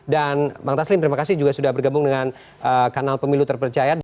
dan bang taslim terima kasih juga sudah bergabung dengan kanal pemilu terpercaya